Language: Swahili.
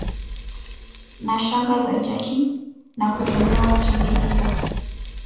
na shanga za jadi na kutumiwa kutengeneza